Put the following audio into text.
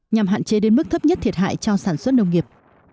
nhằm hạn chế đến mức thấp nhất thiệt hại cho sản xuất nông nghiệp